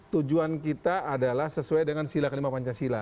tujuan kita adalah sesuai dengan sila kelima pancasila